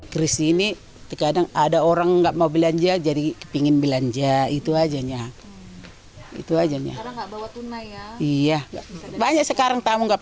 kris ini terkadang ada orang yang tidak mau belanja jadi ingin belanja